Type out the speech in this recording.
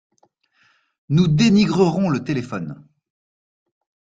Nous dénigrerons le téléphone.